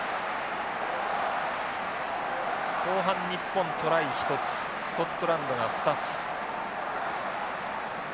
後半日本トライ１つスコットランドが２つ。